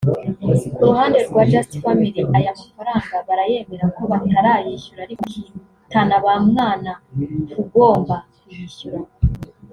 Ku ruhande rwa Just Family aya mafaranga barayemera ko batarayishyura ariko bakitana ba mwana k’ugomba kuyishyura